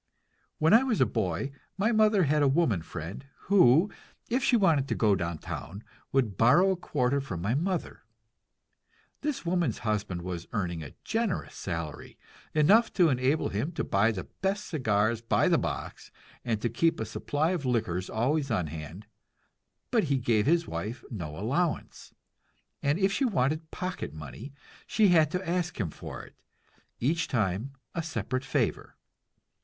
When I was a boy my mother had a woman friend who, if she wanted to go downtown, would borrow a quarter from my mother. This woman's husband was earning a generous salary, enough to enable him to buy the best cigars by the box, and to keep a supply of liquors always on hand; but he gave his wife no allowance, and if she wanted pocket money she had to ask him for it, each time a separate favor.